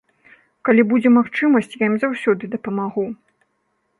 Калі будзе магчымасць, я ім заўсёды дапамагу.